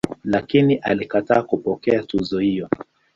Lakini alikataa kupokea tuzo hiyo.